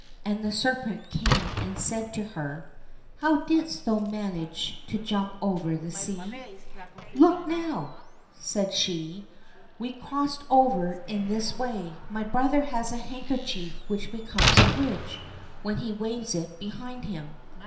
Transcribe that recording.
And the serpent came and said to her, " How didst thou manage to jump over the sea ?"—" Look, now !" said she, " we crossed over in this way. My brother has a handker chief which becomes a bridge when he waves it behind him."